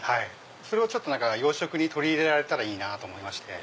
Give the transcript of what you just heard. それを洋食に取り入れられたらいいなと思いまして。